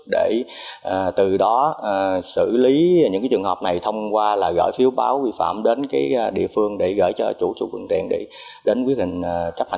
để từ đó xử lý những trường hợp này thông qua là gọi phiếu báo vi phạm đến địa phương để gửi cho chủ thuận tiền để chấp hành quyết định xử phạm